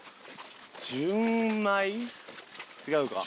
違うか。